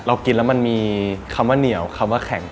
กินแล้วมันมีคำว่าเหนียวคำว่าแข็ง